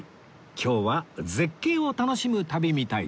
今日は絶景を楽しむ旅みたいです